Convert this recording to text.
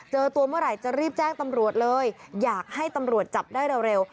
เจอตัวเมื่อไหร่จะรีบแจ้งตำรวจเลยอยากให้ตำรวจจับได้เร็ว